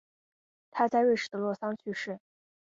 他在瑞士的洛桑去世。